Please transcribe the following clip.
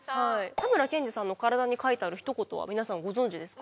たむらけんじさんの体に書いてあるひと言は皆さんご存じですか？